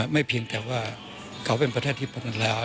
เพียงแต่ว่าเขาเป็นประเทศที่ปกติแล้ว